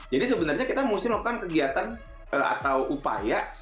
jadi sebenarnya kita mesti melakukan kegiatan atau upaya